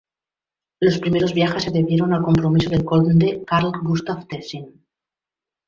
Los primeros viajes se debieron al compromiso del Conde Carl Gustaf Tessin.